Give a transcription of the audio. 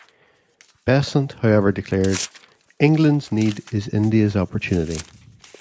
Besant however declared, "England's need is India's opportunity".